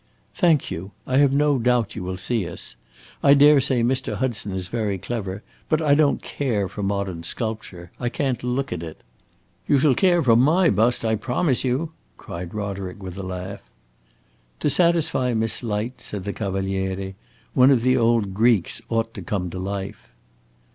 "Thank you; I have no doubt you will see us. I dare say Mr. Hudson is very clever; but I don't care for modern sculpture. I can't look at it!" "You shall care for my bust, I promise you!" cried Roderick, with a laugh. "To satisfy Miss Light," said the Cavaliere, "one of the old Greeks ought to come to life."